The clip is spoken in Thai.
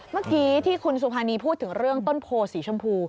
เมื่อกี้ที่คุณสุภานีพูดถึงเรื่องต้นโพสีชมพู